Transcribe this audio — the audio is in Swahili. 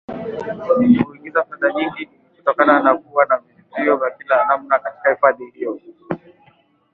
Huingiza fedha nyingi kutokana na kuwa na vivutio vya kila namna katika hifadhi hiyo